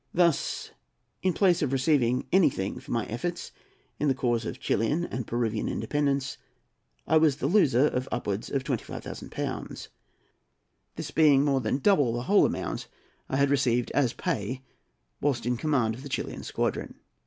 Thus, in place of receiving anything for my efforts in the cause of Chilian and Peruvian independence, I was a loser of upwards of 25,000£, this being more than double the whole amount I had received as pay whilst in command of the Chilian squadron."